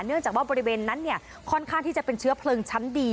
เนื่องจากว่าบริเวณนั้นเนี่ยค่อนข้างที่จะเป็นเชื้อเพลิงชั้นดี